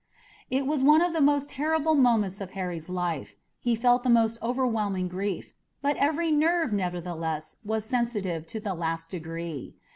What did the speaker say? It was one of the most terrible moments of Harry's life. He felt the most overwhelming grief, but every nerve, nevertheless, was sensitive to the last degree.